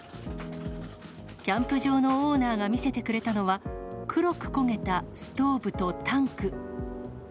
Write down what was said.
キャンプ場のオーナーが見せてくれたのは、黒く焦げたストーブとタンク。